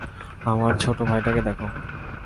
আমার ছোট ভাইটাকে দেখ!